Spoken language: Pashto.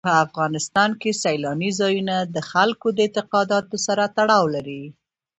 په افغانستان کې سیلانی ځایونه د خلکو د اعتقاداتو سره تړاو لري.